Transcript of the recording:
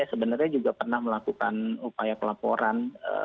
sebenarnya juga pernah melakukan upaya pelaporan